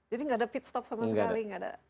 jadi gak ada pit stop sama sekali